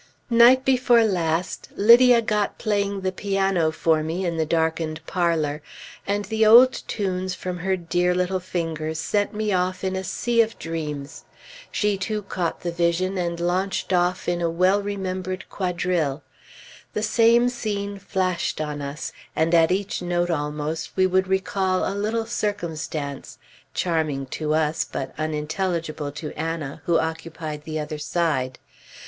Night before last Lydia got playing the piano for me in the darkened parlor, and the old tunes from her dear little fingers sent me off in a sea of dreams. She too caught the vision, and launched off in a well remembered quadrille. The same scene flashed on us, and at each note, almost, we would recall a little circumstance, charming to us, but unintelligible to Anna, who occupied the other side.